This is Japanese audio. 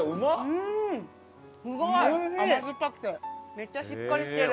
めっちゃしっかりしてる。